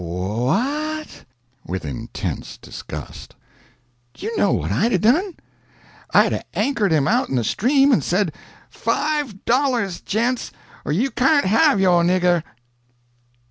"'W h a t [with intense disgust]! D'you know what I'd 'a' done? I'd 'a' anchored him out in the stream, and said, Five dollars, gents, or you carn't have yo' nigger.'"